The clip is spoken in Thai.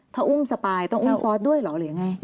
ถ้าอุ้มสปายต้องอุ้มฟอสด้วยเหรอหรือยังไง